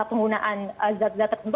penggunaan zat zat tertentu